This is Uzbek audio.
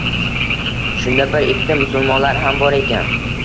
Shunda bir-ikkita musulmonlar ham bor ekan.